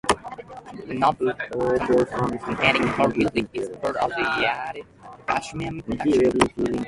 The notebook containing her music is part of the Yad Vashem collection.